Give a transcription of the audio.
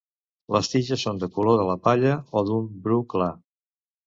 Les tiges són del color de la palla o d'un bru clar.